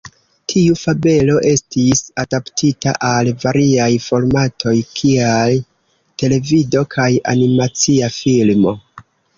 Tiu fabelo estis adaptita al variaj formatoj kiaj televido kaj animacia filmo.